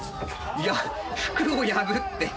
いや服を破って。